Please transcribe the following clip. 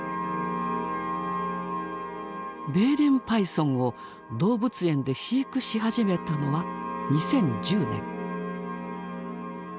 ベーレンパイソンを動物園で飼育し始めたのは２０１０年。